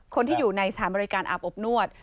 คนที่อยู่ในสถานบริการอาบอบนวด